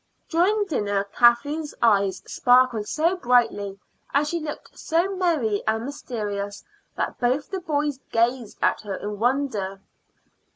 During dinner Kathleen's eyes sparkled so brightly, and she looked so merry and mysterious, that both the boys gazed at her in wonder.